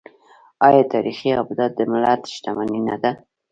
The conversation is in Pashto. آیا تاریخي ابدات د ملت شتمني نه ده؟